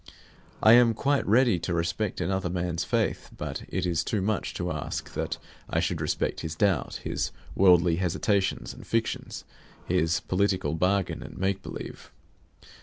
I am quite ready to respect another man's faith; but it is too much to ask that I should respect his doubt, his worldly hesitations and fictions, his political bargain and make believe.